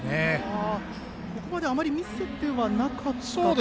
ここまであまり見せてはなかったですね。